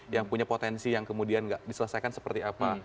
yang punya potensi yang kemudian nggak diselesaikan seperti apa